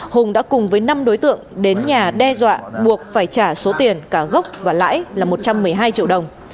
hùng đã cùng với năm đối tượng đến nhà đe dọa buộc phải trả số tiền cả gốc và lãi là một trăm một mươi hai triệu đồng